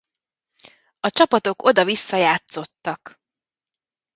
A csapatok oda-vissza játszottak.